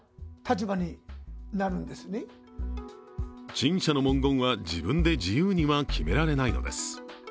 陳謝の文言は自分で自由には決められないのです。